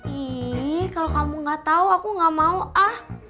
iiiih kalo kamu enggak tau aku enggak mau ah